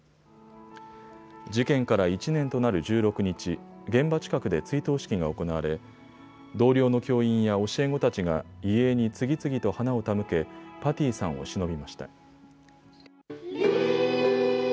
事件から１年となる１６日、現場近くで追悼式が行われ同僚の教員や教え子たちが遺影に次々と花を手向けパティさんをしのびました。